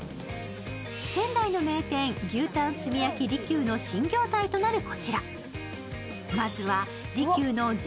仙台の名店、牛たん炭焼利久の新業態となるこちら。